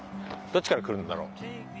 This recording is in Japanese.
どっちから来るんだろう？